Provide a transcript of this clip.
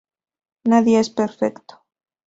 Nadie es perfecto